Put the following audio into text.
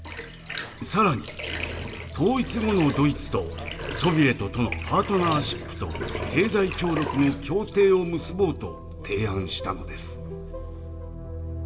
更に統一後のドイツとソビエトとのパートナーシップと経済協力の協定を結ぼうと提案したのです。